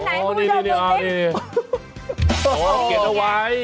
ไหนมึงเจอจุดนี้